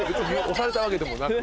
押されたわけでもなく？